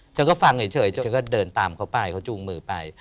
ฉันก็ฟังเหมือนเฉยแล้วก็เดินตามเขาก็จูงมือไป